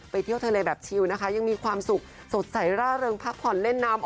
เที่ยวทะเลแบบชิลนะคะยังมีความสุขสดใสร่าเริงพักผ่อนเล่นน้ำ